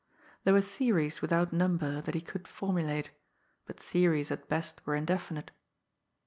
There were theories without number that he could formulate; but theories at best were indefinite.